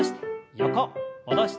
横戻して。